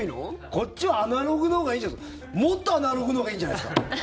こっちはアナログのほうがいいんじゃもっとアナログのほうがいいんじゃないですか。